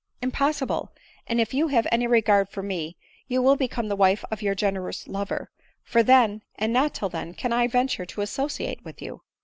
" Impossible ! and if you have any regard for me, you ' will become the wife of your generous lover ; for then, and not till then, can I venture to associate with you."